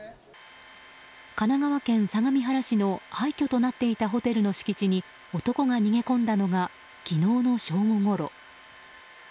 神奈川県相模原市の廃虚となっていたホテルの敷地に男が逃げ込んだのが昨日の正午ごろ。